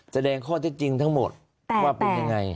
แสดงข้อเท็จจริงทั้งหมดว่าเป็นยังไง